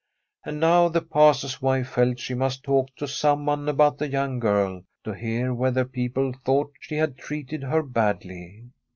And now the Pastor's wife felt she must talk to someone about the young g^rl, to hear whether people thought she had treated her badly.